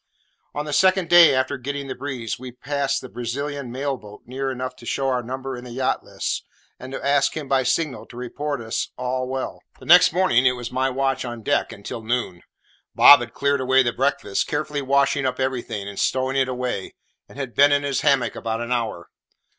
On the second day after getting the breeze, we passed the Brazilian mail boat near enough to show our number in the yacht list, and to ask him, by signal, to report us "all well." The next morning it was my watch on deck until noon. Bob had cleared away the breakfast, carefully washing up everything, and stowing it away, and had been in his hammock about an hour.